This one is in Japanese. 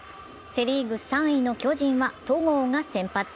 セ・リーグ３位の巨人は戸郷が先発。